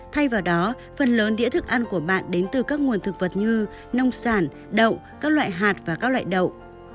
thay vào đó phần lớn đĩa thức ăn của bạn đến từ các nguồn thực vật như nông sản đậu các loại hạt và các loại đậu